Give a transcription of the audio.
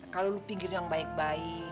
kalau lu pikir yang baik baik